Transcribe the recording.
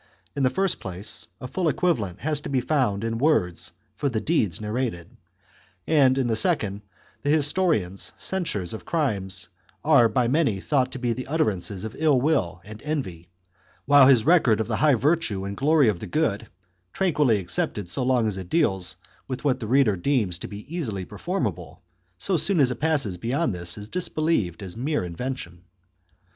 In the first place, a full equivalent has to be found in words for the deeds narrated, and in the second the historian's censures of crimes are by many thought to be the utterances of ill will and envy, while his record of the high virtue and glory of the good, tran quilly accepted so long as it deals with what the reader deems to be easily performable, so soon as it passes beyond this is disbelieved as mere invention.